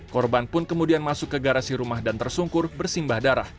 korban pun kemudian masuk ke garasi rumah dan tersungkur bersimbah darah